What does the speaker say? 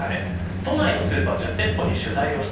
都内のスーパー１０店舗に取材を行いました。